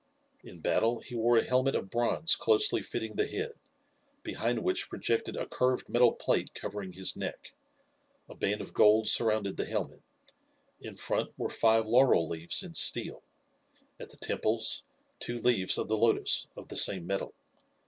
In battle he wore a helmet of bronze closely fitting the head, behind which projected a curved metal plate covering his neck. A band of gold surrounded the helmet; in front were five laurel leaves in steel; at the temples two leaves of the lotus of the same metal.